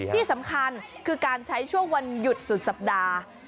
ที่สำคัญคือการใช้ช่วงวันหยุดสุดสัปดาห์